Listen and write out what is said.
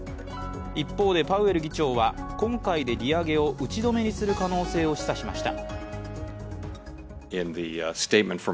一方でパウエル議長は今回で利上げを打ち止めにする可能性を示唆しました。